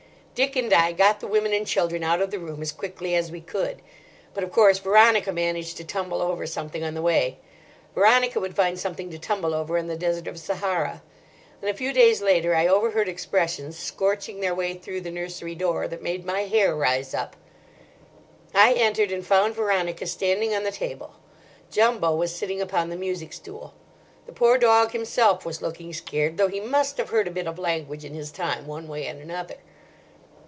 Dick and I got the women and children out of the room as quickly as we could, but of course Veronica managed to tumble over something on the way—Veronica would find something to tumble over in the desert of Sahara; and a few days later I overheard expressions, scorching their way through the nursery door, that made my hair rise up. I entered, and found Veronica standing on the table. Jumbo was sitting upon the music stool. The poor dog himself was looking scared, though he must have heard a bit of language in his time, one way and another.